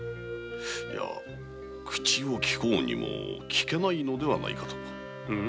いえ口をきこうにもきけないのではないかと。